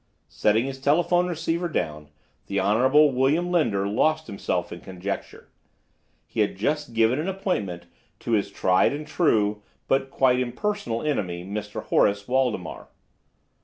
Setting his telephone receiver down the Honorable William Linder lost himself in conjecture. He had just given an appointment to his tried and true, but quite impersonal enemy, Mr. Horace Waldemar.